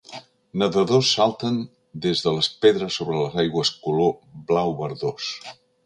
Nedadors salten des de les pedres sobre les aigües color blau verdós.